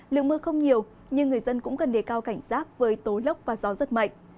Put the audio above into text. lượng mưa không nhiều nhưng người dân cũng cần đề cao cảnh giác với tố lốc và gió rất mạnh